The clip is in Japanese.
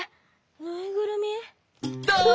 ぬいぐるみ？だあ！